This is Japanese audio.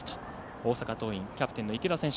大阪桐蔭、キャプテンの池田選手。